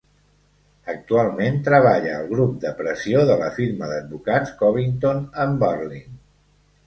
Actualment treballa al grup de pressió de la firma d"advocats Covington and Burling.